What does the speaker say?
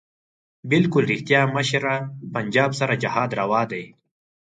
بلکل ريښتيا مشره پنجاب سره جهاد رواح دی